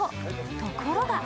ところが。